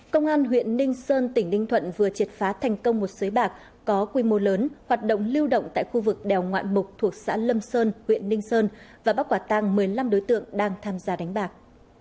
công an huyện ninh sơn tỉnh ninh thuận vừa triệt phá thành công một sới bạc có quy mô lớn hoạt động lưu động tại khu vực đèo ngoạn mục thuộc xã lâm sơn huyện ninh sơn và bắt quả tăng một mươi năm đối tượng đang tham gia đánh bạc